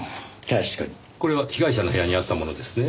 これは被害者の部屋にあったものですね？